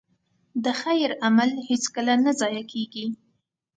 د خیر عمل هېڅکله نه ضایع کېږي.